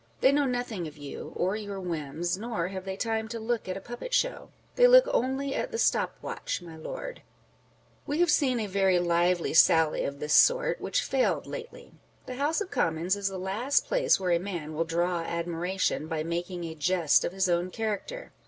They know nothing of you, or your whims, nor have they time to look at a puppet show. " They look only at the stop watch, my Writing and Speaking. 383 Lord !" We have seen a very lively sally of this sort which failed lately. The House of Commons is the last place where a man will draw admiration by making a jest of his own character.